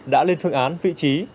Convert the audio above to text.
đã lên phương án vị trí